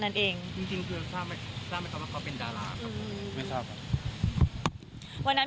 ไม่ได้รับครับไม่ได้รับครับ